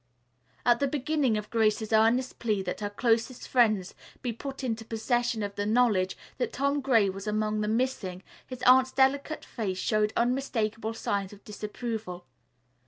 At the beginning of Grace's earnest plea that her closest friends be put into possession of the knowledge that Tom Gray was among the missing, his aunt's delicate face showed unmistakable signs of disapproval.